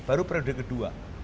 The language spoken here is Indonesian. baru periode kedua